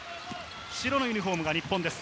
白のユニホームが日本です。